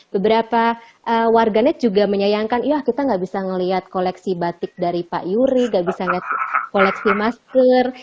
beberapa warganet juga menyayangkan ya kita nggak bisa melihat koleksi batik dari pak yuri nggak bisa lihat koleksi masker